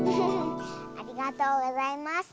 ありがとうございます。